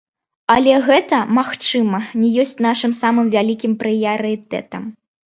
Але гэта, магчыма, не ёсць нашым самым вялікім прыярытэтам.